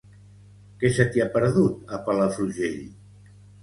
Què se t'hi ha perdut, a Palafrugell?